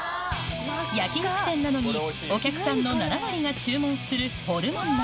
焼き肉店なのにお客さんの７割が注文するホルモン鍋